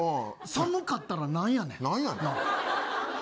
寒かったらなんやねん。